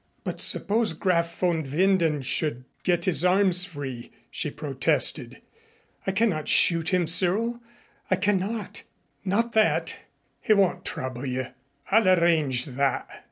"But suppose Graf von Winden should get his arms free," she protested. "I cannot shoot him, Cyril I cannot not that " "He won't trouble you. I'll arrange that."